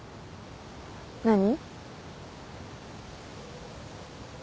何？